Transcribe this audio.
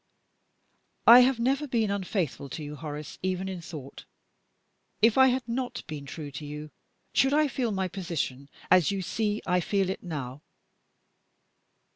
"I have never been unfaithful to you, Horace, even in thought. If I had not been true to you, should I feel my position as you see I feel it now?"